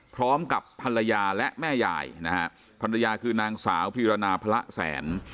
พร้อมกับภรรยาและแม่ยายนะฮะภรรยาคือนางสาวพีรณาพระแสน